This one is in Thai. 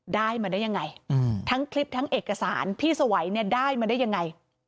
ได้มาได้ยังไงทั้งคลิปทั้งเอกสารพี่สวัยเนี่ยได้มาได้ยังไง